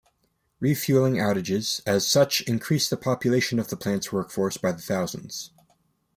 Refueling outages as such increase the population of the plant's workforce by the thousands.